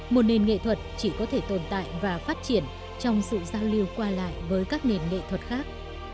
một nền nghệ thuật chỉ có thể tồn tại và phát triển trong sự giao lưu qua lại với các nền nghệ thuật khác